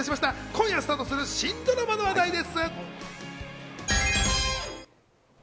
今夜スタートする新ドラマの話題です。